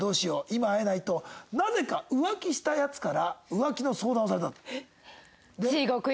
今会えない？」となぜか浮気したヤツから浮気の相談をされたと。